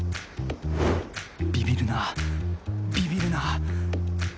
ビビるなビビるな